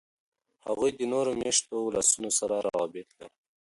هغوی د نورو میشتو ولسونو سره روابط لري.